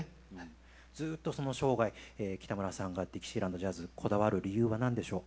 ずっとその生涯北村さんがディキシーランド・ジャズにこだわる理由は何でしょう？